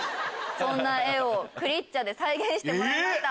そんな絵をクリッチャで再現してもらいました。